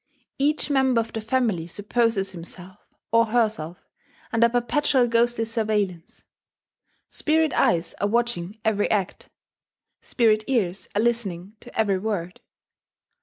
Each member of the family supposes himself, or herself, under perpetual ghostly surveillance. Spirit eyes are watching every act; spirit ears are listening to every word.